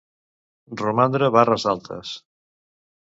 Romandre barres altes.